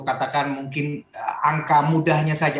katakan mungkin angka mudahnya saja